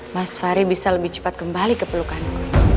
mas fahri bisa lebih cepat kembali keperlukanku